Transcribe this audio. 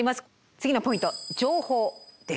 次のポイント「情報」です。